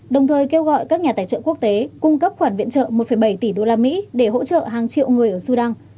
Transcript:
đồng thời kêu gọi các nhà tài trợ quốc tế cung cấp khoản viện trợ một bảy tỷ usd để hỗ trợ hàng triệu người ở sudan